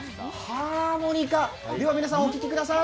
ハーモニカ、では皆さんお聴きください。